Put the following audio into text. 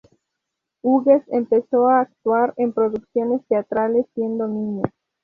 Hughes empezó a actuar en producciones teatrales siendo niña.